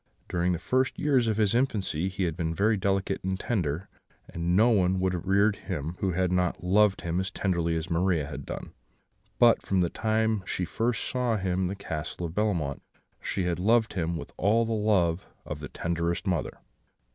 During the first years of his infancy he had been very delicate and tender, and no one would have reared him who had not loved him as tenderly as Maria had done; but from the time that she first saw him in the Castle of Bellemont, she had loved him with all the love of the tenderest mother.